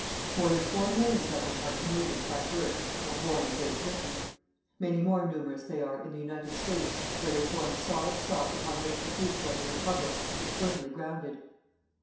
More than four millions of them are Canadians by birth or born in Great Britain. Many more numerous they are in the United States where they form the solid stock upon which the future of the Republic is firmly grounded.